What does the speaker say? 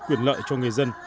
quyền lợi cho người dân